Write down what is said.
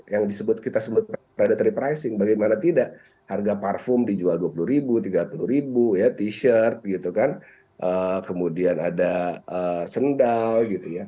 yang disebut predatory pricing bagaimana tidak harga parfum dijual dua puluh ribu tiga puluh ribu t shirt kemudian ada sendal